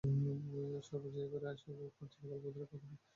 সর্বজয়া এ ঘরে আসে ক্বচিৎ কালেভদ্রে কখনো।